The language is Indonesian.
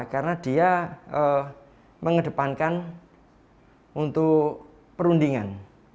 karena dia mengedepankan untuk perundingan